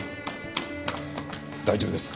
大丈夫です。